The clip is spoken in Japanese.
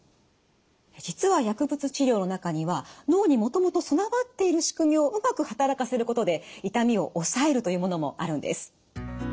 実は薬物治療の中には脳にもともと備わっているしくみをうまく働かせることで痛みを抑えるというものもあるんです。